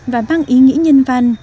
và mang ý nghĩa nhân văn